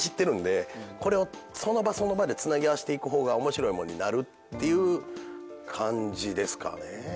これをその場その場でつなぎ合わせていく方が面白い物になるっていう感じですかね。